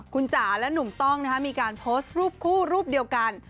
คุณจ๋าและหนุ่มต้องมีการโพสต์รูปคู่รูปเดียวกัน